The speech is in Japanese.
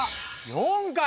４回。